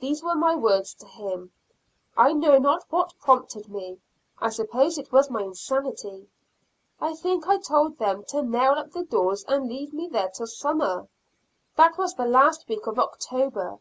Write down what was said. These were my words to him; I know not what prompted me; I suppose it was my insanity. I think I told them to nail up the doors and leave me there till summer. That was the last week of October.